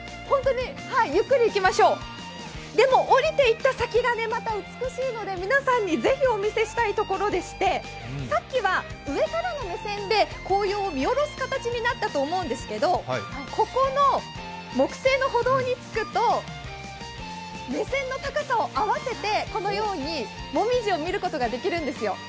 でも、下りていった先がまた美しいので皆さんにぜひ、お見せしたいところでしてさっきは上からの目線で紅葉を見下ろす形になったと思うんですけど、ここの木製の歩道に着くと目線の高さに合わせてこのように紅葉を見ることができるんですよ。